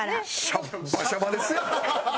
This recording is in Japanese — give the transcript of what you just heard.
シャッバシャバですやん！